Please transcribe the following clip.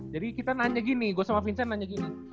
jadi kita nanya gini gue sama vincent nanya gini